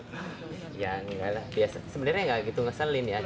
ya enggak lah sebenarnya enggak gitu ngeselin ya